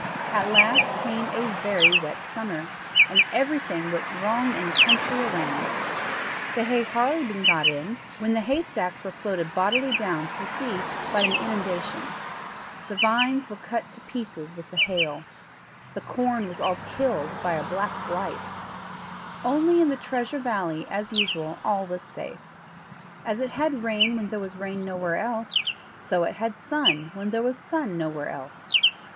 At last came a very wet summer, and everything went wrong in the country around. The hay had hardly been got in, when the hay stacks were floated bodily down to the sea by an inundation; the vines were cut to pieces with the hail; the corn was all killed by a black blight; only in the Treasure Valley, as usual, all was safe. As it had rain when there was rain nowhere else, so it had sun when there was sun nowhere else.